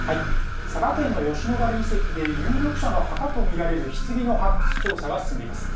佐賀県の吉野ヶ里遺跡で、有力者の墓と見られるひつぎの発掘調査が進んでいます。